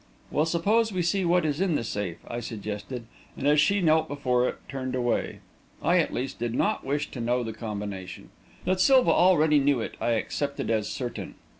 "Well, suppose we see what is in the safe," I suggested, and, as she knelt before it, turned away. I, at least, did not wish to know the combination. That Silva already knew it I accepted as certain.